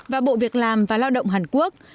và bộ việc làm và lao động hàn quốc